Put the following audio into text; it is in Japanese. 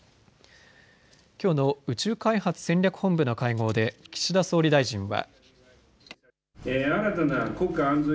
きょうの宇宙開発戦略本部の会合で岸田総理大臣は。